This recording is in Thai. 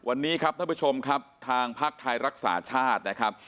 วันนี้ครับท่านผู้ชมครับทางภาคไทยรักษาชาตินะครับ